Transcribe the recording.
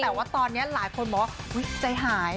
แต่ว่าตอนนี้หลายคนบอกว่าใจหาย